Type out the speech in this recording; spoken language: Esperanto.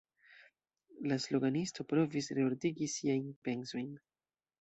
La sloganisto provis reordigi siajn pensojn.